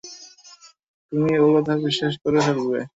তুমি ওর কথা বিশ্বাসও করে ফেললে।